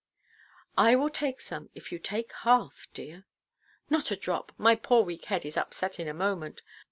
"I will take some, if you take half, dear." "Not a drop. My poor weak head is upset in a moment.